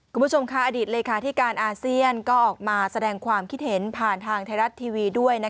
คุณผู้ชมค่ะอดีตเลขาธิการอาเซียนก็ออกมาแสดงความคิดเห็นผ่านทางไทยรัฐทีวีด้วย